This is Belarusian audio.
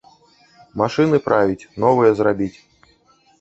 Машыны правіць, новыя зрабіць.